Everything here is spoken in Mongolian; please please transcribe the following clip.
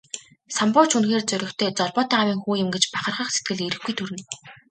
Самбуу ч үнэхээр зоригтой, золбоотой аавын хүү юм гэж бахархах сэтгэл эрхгүй төрнө.